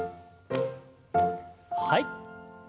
はい。